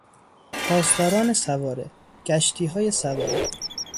پاسداران سواره، گشتیهای سواره